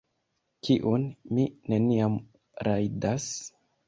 Kiun mi neniam rajdas...